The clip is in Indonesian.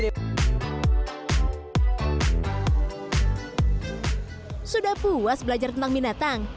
ini juga memang bisa jadi tempat yang sangat luas belajar tentang binatang